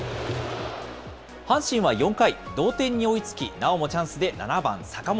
阪神は４回、同点に追いつき、なおもチャンスで７番坂本。